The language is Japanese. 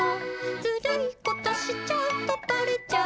「ずるいことしちゃうとバレちゃうよ」